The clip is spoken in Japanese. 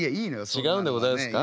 違うんでございますか。